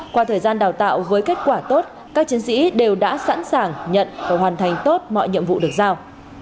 qua thời gian đào tạo với kết quả tốt các chiến sĩ đều đã sẵn sàng nhận và hoàn thành tốt mọi nhiệm vụ được giao